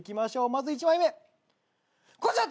まず１枚目こちら。